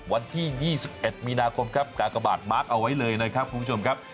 วันที่๒๑มีนาคมครับกากบาทมาร์คเอาไว้เลยนะครับคุณผู้ชมครับ